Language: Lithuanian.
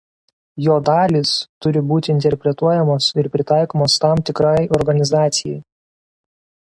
Jo dalys turi būti interpretuojamos ir pritaikomos tam tikrai organizacijai.